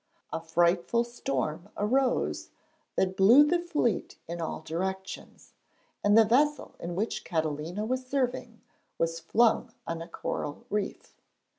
A frightful storm arose that blew the fleet in all directions, and the vessel in which Catalina was serving was flung on a coral reef.